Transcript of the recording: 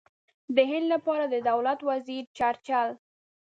د هند لپاره د دولت وزیر چرچل.